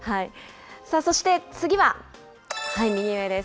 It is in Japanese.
そして次は、右上です。